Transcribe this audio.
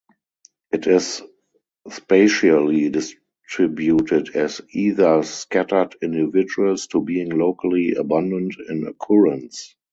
It is spatially distributed as either scattered individuals to being locally abundant in occurrence.